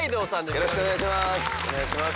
よろしくお願いします。